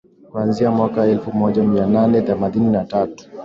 kuanzia mwaka elfu moja mia nane themanini na tatu